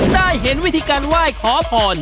ได้เห็นวิธีการไหว้ขอพร